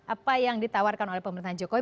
apa yang ditawarkan oleh pemerintahan jokowi